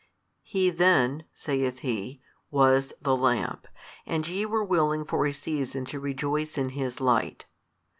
|288 He then (saith He) was the lamp, and YE were willing for a season to rejoice in his light.